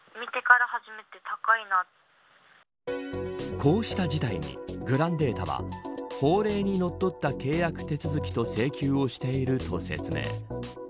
こうした事態にグランデータは法令にのっとった契約手続きと請求をしていると説明。